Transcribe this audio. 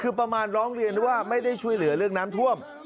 คือประมาณร้องเรียนว่าไม่ได้ช่วยเหลือเรื่องน้ำท่วม